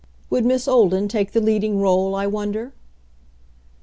Would Miss Olden take the leading role, I wonder?